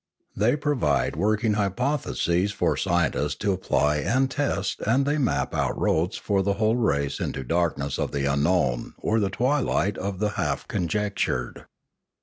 They provide working hypotheses for the scientists to apply and test and they map out roads for the whole race into the darkness of the unknown or the twilight of the half conjectured.